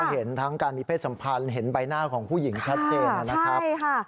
เห็นทั้งการมีเพศสัมพันธ์เห็นใบหน้าของผู้หญิงชัดเจนนะครับใช่ค่ะ